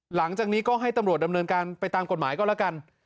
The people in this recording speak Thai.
หลังจากนี้ก็ให้ตำรวจดำเนินการไปตามกฎหมายก็แล้วกัน